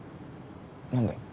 何で？